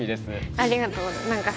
ありがとうございます。